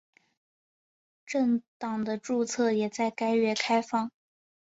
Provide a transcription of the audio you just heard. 政党的注册也在该月开放。